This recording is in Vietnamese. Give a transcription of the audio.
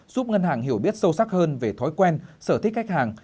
giúp ngân hàng hiểu biết sâu sắc hơn về thói quen sở thích khách hàng